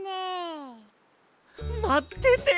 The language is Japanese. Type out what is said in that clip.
まってて。